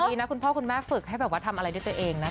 ดีนะคุณพ่อคุณแม่ฝึกให้แบบว่าทำอะไรด้วยตัวเองนะ